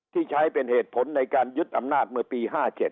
ที่ใช้เป็นเหตุผลในการยึดอำนาจเมื่อปี๕๗